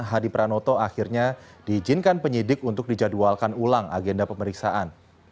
hadi pranoto akhirnya diizinkan penyidik untuk dijadwalkan ulang agenda pemeriksaan